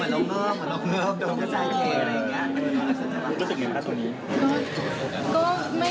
เหมือนลมเงิบโดนประสาท